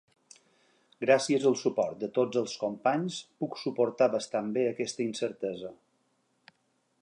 Gràcies al suport de tots els companys puc suportar bastant bé aquesta incertesa.